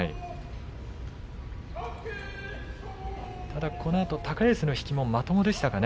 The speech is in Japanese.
ただこのあと高安の引きもまともでしたかね。